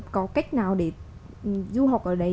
có cách nào để du học ở đấy